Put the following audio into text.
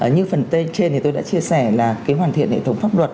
như phần t trên thì tôi đã chia sẻ là hoàn thiện hệ thống pháp luật